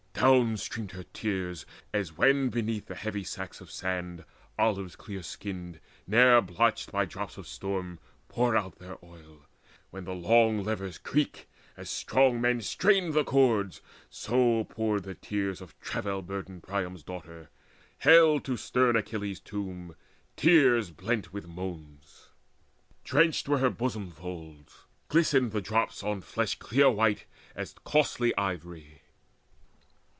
Down streamed her tears As when beneath the heavy sacks of sand Olives clear skinned, ne'er blotched by drops of storm, Pour out their oil, when the long levers creak As strong men strain the cords; so poured the tears Of travail burdened Priam's daughter, haled To stern Achilles' tomb, tears blent with moans. Drenched were her bosom folds, glistened the drops On flesh clear white as costly ivory.